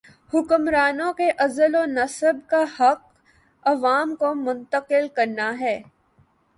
حکمرانوں کے عزل و نصب کا حق عوام کو منتقل کرنا ہے۔